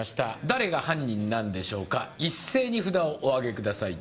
誰が犯人なんでしょうか一斉に札をおあげください